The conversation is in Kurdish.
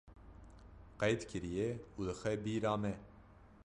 qeyd kiriye û dixe bîra me